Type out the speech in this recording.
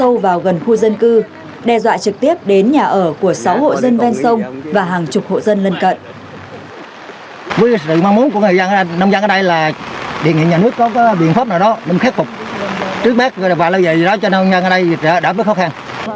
đoạn bờ sông đã sâu vào gần khu dân cư đe dọa trực tiếp đến nhà ở của sáu hộ dân ven sông và hàng chục hộ dân lân cận